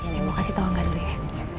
saya mau kasih tau angga dulu ya